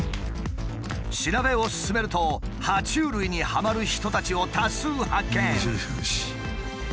調べを進めるとは虫類にはまる人たちを多数発見。